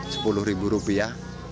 sepuluh ribu rupiah